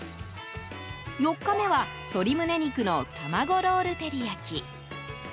４日目は鶏胸肉の卵ロール照り焼き。